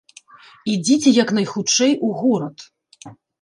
Ідзіце як найхутчэй у горад.